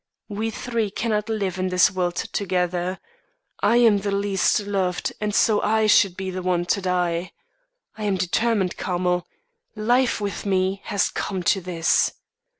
We three cannot live in this world together. I am the least loved and so I should be the one to die. I am determined, Carmel. Life, with me, has come to this.